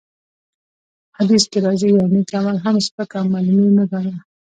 حديث کي راځي : يو نيک عمل هم سپک او معمولي مه ګڼه!